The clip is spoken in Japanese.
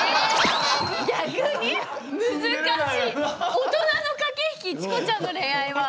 大人の駆け引きチコちゃんの恋愛は。